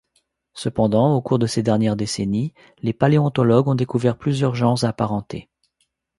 Cependant, au cours de ces dernières décennies, les paléontologues ont découvert plusieurs genres apparentés.